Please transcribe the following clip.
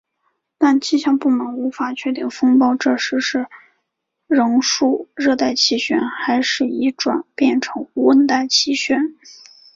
但气象部门无法确定风暴这时是仍属热带气旋还是已转变成温带气旋。